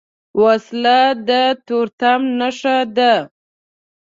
وسله د تورتم نښه ده